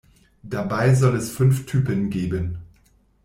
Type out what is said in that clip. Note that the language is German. Dabei soll es fünf Typen geben.